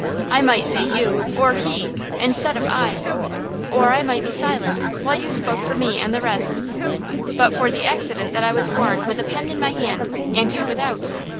I might say "you" or "he" instead of "I." Or I might be silent, while you spoke for me and the rest, but for the accident that I was born with a pen in my hand, and you without.